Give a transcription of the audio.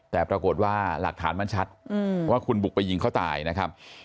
แต่ปรากฏว่าหลักฐานมันชัดว่าคุณบุกไปยิงเขาตายนะครับ